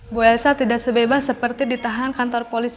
bu elsa tidak sebebas seperti ditahan kantor polisi